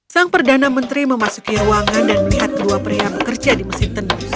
sang perdana menteri memasuki ruangan dan melihat kedua pria bekerja di mesin tenun